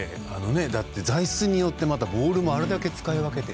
だって、材質によってボールもあれだけ使い分けていて。